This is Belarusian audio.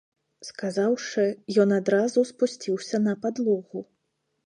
Сказаўшы, ён адразу спусціўся на падлогу.